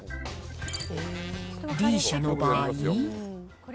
Ｄ社の場合。